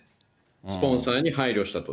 スポンサーに配慮したと。